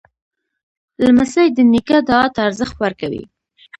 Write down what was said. لمسی د نیکه دعا ته ارزښت ورکوي.